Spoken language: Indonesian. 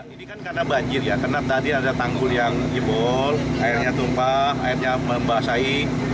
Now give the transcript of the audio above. ini kan karena banjir ya karena tadi ada tanggul yang jebol airnya tumpah airnya membasahi